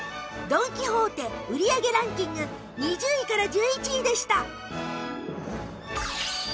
ドン・キホーテ売り上げランキング２０位から１１位でした